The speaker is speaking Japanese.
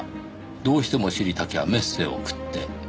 「どうしても知りたきゃメッセ送って」